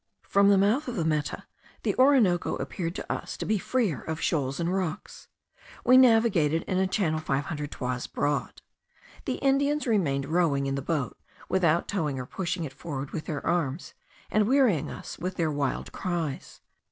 From the mouth of the Meta, the Orinoco appeared to us to be freer of shoals and rocks. We navigated in a channel five hundred toises broad. The Indians remained rowing in the boat, without towing or pushing it forward with their arms, and wearying us with their wild cries.